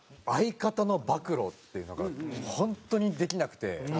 相方の暴露っていうのが本当にできなくて。